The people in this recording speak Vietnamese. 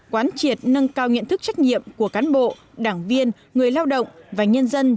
quán triệt nâng cao nhận thức trách nhiệm của cán bộ đảng viên người lao động và nhân dân